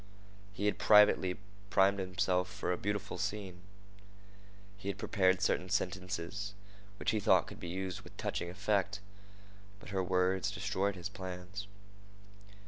He had privately primed himself for a beautiful scene. He had prepared certain sentences which he thought could be used with touching effect. But her words destroyed his plans.